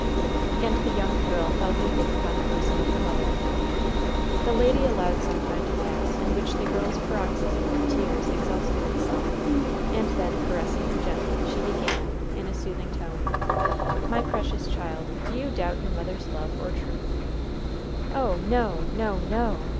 And the young girl fell weeping upon the bosom of her mother. The lady allowed some time to pass in which the girl's paroxysm of tears exhausted itself, and then caressing her gently, she began, in a soothing tone: "My precious child, do you doubt your mother's love or truth?" "Oh, no, no, no!